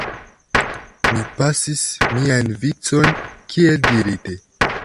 Mi pasis mian vicon, kiel dirite.